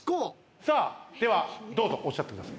さあではどうぞおっしゃってください。